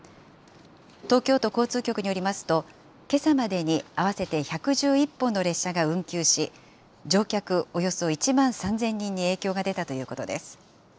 東京都交通局によりますと、けさまでに合わせて１１１本の列車が運休し、乗客およそ１万３０００人に影響が出たということです。